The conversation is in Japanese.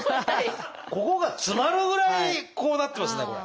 ここが詰まるぐらいこうなってますねこれ。